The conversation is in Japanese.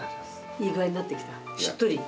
いい具合になってきた？